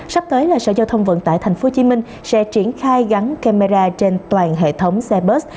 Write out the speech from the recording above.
sắp tới là sở giao thông vận tải tp hcm sẽ triển khai gắn camera trên toàn hệ thống xe bớtus